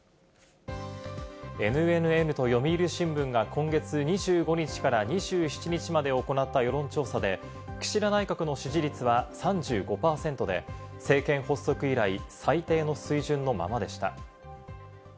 ＮＮＮと読売新聞が今月２５日から２７日まで行った世論調査で、岸田内閣の支持率は３５％で、政権発足以来、最低の水準のままでした。